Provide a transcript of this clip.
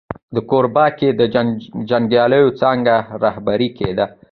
د کوردوبا کې د جنګیاليو څانګه رهبري کېده.